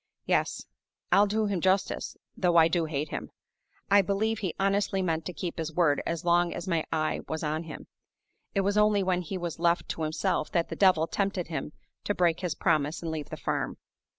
Yes. I'll do him justice, though I do hate him! I believe he honestly meant to keep his word as long as my eye was on him. It was only when he was left to himself that the Devil tempted him to break his promise and leave the farm.